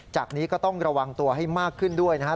จากนี้ก็ต้องระวังตัวให้มากขึ้นด้วยนะครับ